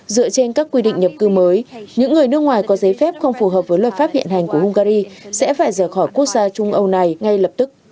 dựa trên các quy định nhập cư mới những người nước ngoài có giấy phép không phù hợp với luật pháp hiện hành của hungary sẽ phải rời khỏi quốc gia trung âu này ngay lập tức